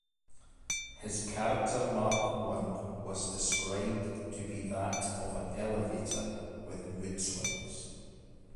His character Mark One was described to be that of an elevator with mood-swings.